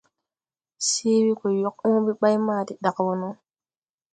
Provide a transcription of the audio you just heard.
Se we go yoʼ õõbe bay ma de daʼ wɔ no.